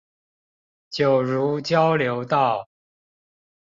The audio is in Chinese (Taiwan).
九如交流道